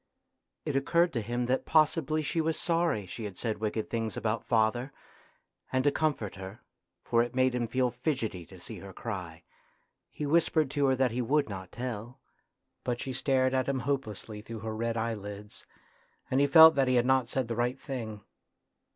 It occurred to him that possibly she was sorry she had said wicked things about father, and to comfort her, for it made him feel fidgety to 96 A TRAGEDY IN LITTLE see her cry, he whispered to her that he would not tell. But she stared at him hopelessly through her red eyelids, and he felt that he had not said the right thing.